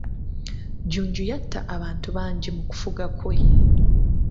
Jjunju yatta abantu bangi mu kufuga kwe.